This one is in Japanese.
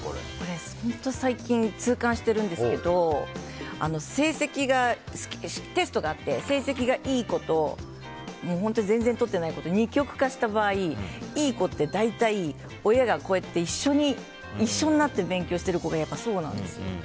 本当、最近痛感してるんですけどテストがあって成績がいい子と本当に全然とってない子と二極化した場合いい子って大体、親がこうやって一緒になって勉強している子がそうなんですよ。